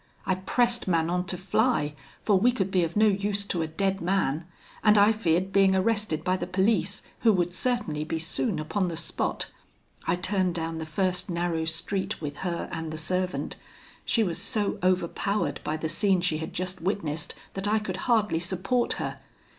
I pressed Manon to fly, for we could be of no use to a dead man, and I feared being arrested by the police, who would certainly be soon upon the spot. I turned down the first narrow street with her and the servant: she was so overpowered by the scene she had just witnessed, that I could hardly support her.